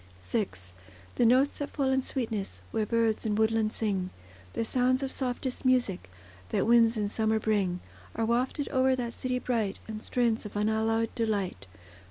VI The notes that fall in sweetness, Where birds in woodland sing; The sounds of softest music, That winds in summer bring, Are wafted o'er that city bright, In strains of unalloyed delight.